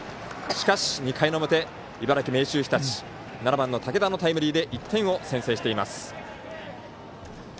しかし、２回の表茨城、明秀日立７番の武田のタイムリーで１点を先制しています。